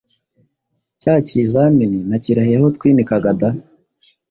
Cya kizamini nakirahiye aho twinikaga da!